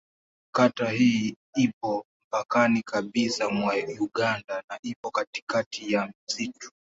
Kata hii ipo mpakani kabisa mwa Uganda na ipo katikati ya msitu.